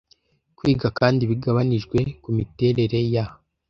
Kwiga kandi bigabanijwe kumiterere ya